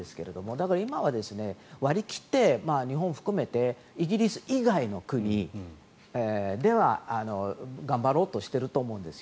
だから今は割り切って日本を含めてイギリス以外の国では頑張ろうとしていると思うんです。